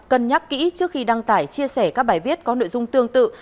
cân nhắc kỹ trước khi đăng tải chia sẻ các bài viết có nội dung tương tự